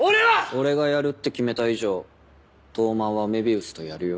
俺がやるって決めた以上東卍は愛美愛主とやるよ。